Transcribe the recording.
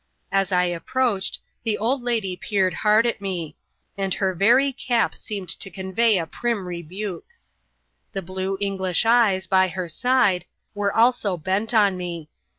As I approached, the old lady peered hard at me; and her very cap seemed to convey a prim rebuke. The blue, English eyes, by her side, were also bent on me.